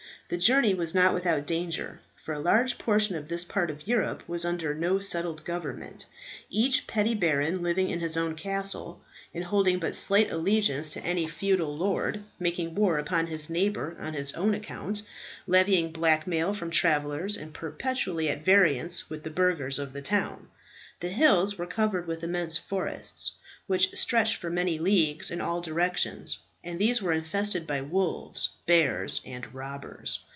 The journey was not without danger, for a large portion of this part of Europe was under no settled government, each petty baron living in his own castle, and holding but slight allegiance to any feudal lord, making war upon his neighbour on his own account, levying blackmail from travellers, and perpetually at variance with the burghers of the towns. The hills were covered with immense forests, which stretched for many leagues in all directions, and these were infested by wolves, bears, and robbers.